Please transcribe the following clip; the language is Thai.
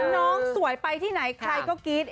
น้องสวยไปที่ไหนใครก็กรี๊ด